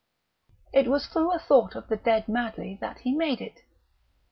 It was through a thought of the dead Madley that he made it.